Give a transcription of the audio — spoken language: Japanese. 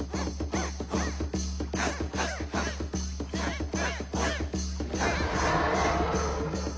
ハッハッハッ！